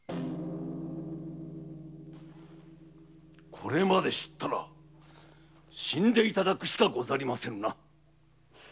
これまで知ったら死んでいただくしかござりませんな。